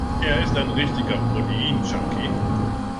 Er ist ein richtiger Protein-Junkie.